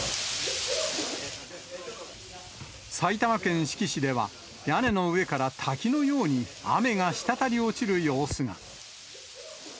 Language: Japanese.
埼玉県志木市では、屋根の上から滝のように雨が滴り落ちる様子が。